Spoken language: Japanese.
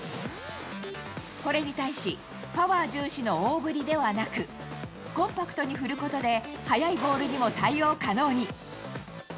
これに対し、パワー重視の大振りではなく、コンパクトに振ることで、速いボールにも対応可能に。